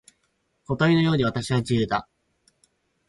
小鳥のように私は自由だ。